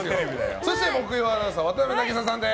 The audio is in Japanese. そして、木曜アナウンサー渡邊渚さんです。